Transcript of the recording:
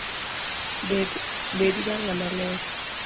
Bed ga ng’ama ler